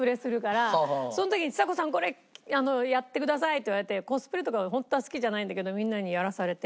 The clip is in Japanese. その時にちさ子さんこれやってくださいって言われてコスプレとかホントは好きじゃないんだけどみんなにやらされて。